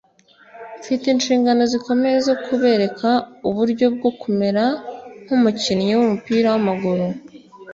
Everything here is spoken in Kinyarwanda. Mfite inshingano zikomeye zo kubereka uburyo bwo kumera nk'umukinnyi w'umupira w'amaguru,